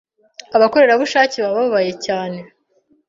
abakorerabushake bababaye cyane